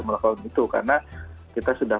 melakukan itu karena kita sudah